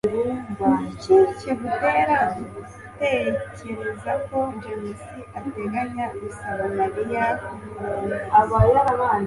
ni iki kigutera gutekereza ko james ateganya gusaba mariya kumurongora